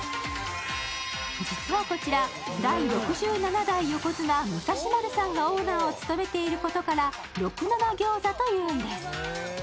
実はこちら、第６７代横綱・武蔵丸さんがオーナーを務めていることから６７餃子というんです。